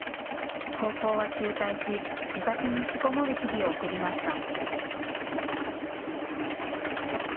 高校は中退し、自宅に引きこもる日々を送りました。